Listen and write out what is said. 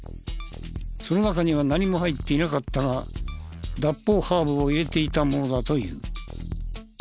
その中には何も入っていなかったが脱法ハーブを入れていたものだという。